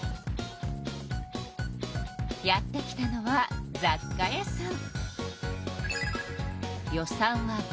やって来たのはざっ貨屋さん。